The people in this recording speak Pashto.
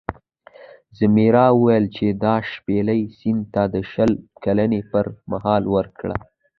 ځمیرا وویل چې دا شپیلۍ سید ته د شل کلنۍ پر مهال ورکړه.